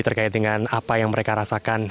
terkait dengan apa yang mereka rasakan